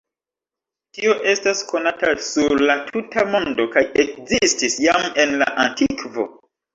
Tio estas konata sur la tuta mondo kaj ekzistis jam en la antikvo.